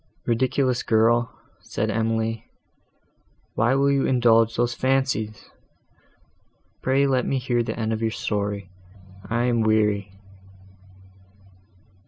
"Ridiculous girl!" said Emily, "why will you indulge those fancies? Pray let me hear the end of your story, I am weary."